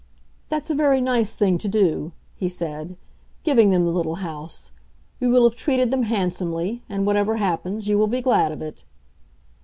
"That's a very nice thing to do," he said, "giving them the little house. You will have treated them handsomely, and, whatever happens, you will be glad of it."